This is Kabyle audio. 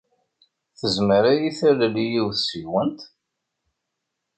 Tezmer ad iyi-talel yiwet seg-went?